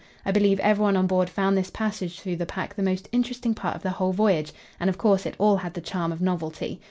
I believe everyone on board found this passage through the pack the most interesting part of the whole voyage, and, of course, it all had the charm of novelty.